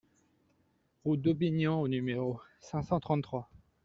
Route d'Aubignan au numéro cinq cent trente-trois